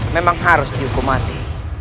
memang harus dihukum mati